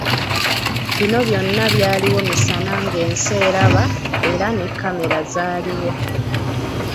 Bino byonna byaliwo misana ng'ensi eraba era ne kkamera zaaliwo.